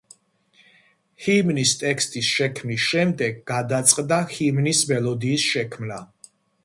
ჰიმნის ტექსტის შექმნის შემდეგ გადაწყდა ჰიმნის მელოდიის შექმნა.